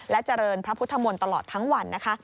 และเจริญพระพุทธมนตลอดทั้งวัน